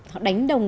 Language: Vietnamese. họ đánh đồng